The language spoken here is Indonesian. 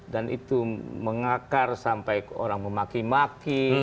dan itu mengakar sampai orang memaki maki